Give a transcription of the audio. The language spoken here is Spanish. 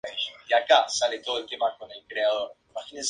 Este período de desarrollo acabó con la toma del poder por Hitler.